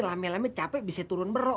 lama lama capek bisa turun ke rumah